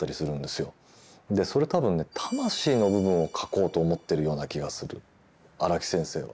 それは多分ね「魂」の部分を描こうと思ってるような気がする荒木先生は。